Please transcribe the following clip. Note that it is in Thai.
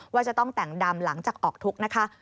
ว่าจะต้องแต่งดำหลังจากออกทุกข์นะคะ